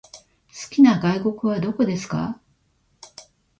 好きな外国はどこですか？